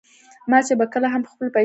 ما چې به کله هم خپلو پیسو ته کتل.